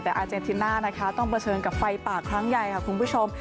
แต่อาเจนติน่านะคะต้องเผชิญกับไฟป่าครั้งใหญ่ค่ะคุณผู้ชม